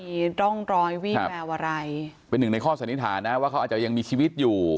มีร่องรอยวี่แววอะไรเป็นหนึ่งในข้อสันนิษฐานนะว่าเขาอาจจะยังมีชีวิตอยู่